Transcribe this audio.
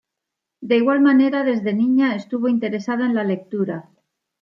De igual manera desde niña estuvo interesada en la lectura.